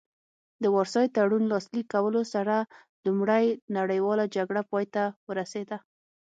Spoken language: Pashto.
د وارسای تړون لاسلیک کولو سره لومړۍ نړیواله جګړه پای ته ورسیده